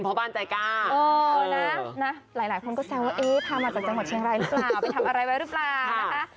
แม่นหลวงสายมาจากเชียงรัยเฮรี่จัง